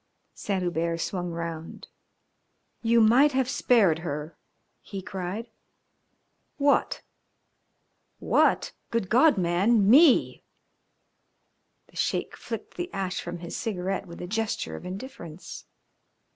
Saint Hubert swung round. "You might have spared her," he cried. "What?" "What? Good God, man! Me!" The Sheik flicked the ash from his cigarette with a gesture of indifference.